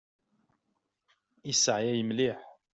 Iseɛyay mliḥ.